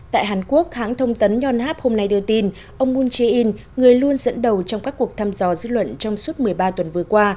tại hàn quốc hãng thông tấn yonhap hôm nay đưa tin ông moon jae in người luôn dẫn đầu trong các cuộc thăm dò dư luận trong suốt một mươi ba tuần vừa qua